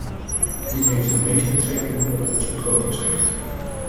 Dit heeft het meest betrekking op ons begrotingsrecht.